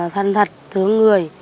thân thật thương người